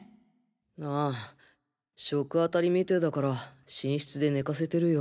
ああ食あたりみてだから寝室で寝かせてるよ。